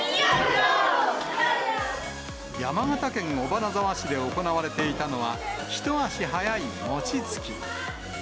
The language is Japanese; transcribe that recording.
山形県尾花沢市で行われていたのは、一足早い餅つき。